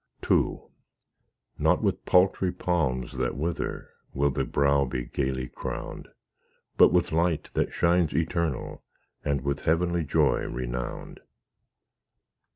II Not with paltry palms that wither Shall the brow be gaily crowned, But with light that shines eternal, And with heavenly joy renowned.